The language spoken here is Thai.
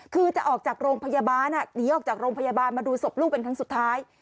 คือจะออกจากโรงพยาบาลหนีออกจากโรงพยาบาลมาดูศพลูกเป็นครั้งสุดท้าย